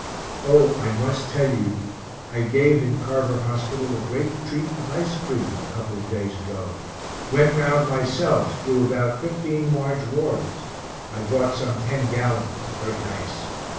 O, I must tell you, I [gave] in Carver hospital a great treat of ice cream, a couple of days ago went round myself through about 15 large wards (I bought some ten gallons, very nice).